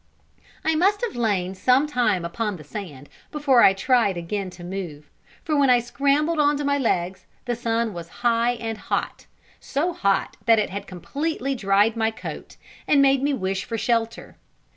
I must have lain some time upon the sand before I tried again to move, for when I scrambled on to my legs the sun was high and hot so hot, that it had completely dried my coat, and made me wish for shelter.